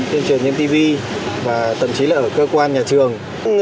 tuyên truyền trên tv và thậm chí là ở cơ quan nhà trường